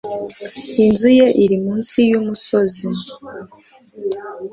Inzu ye iri munsi yumusozi.